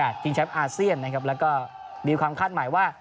ชิงแชมป์อาเซียนนะครับแล้วก็มีความคาดหมายว่า